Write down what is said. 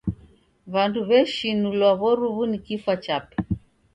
W'andu w'eshinulwa w'oru'wu ni kifwa chape.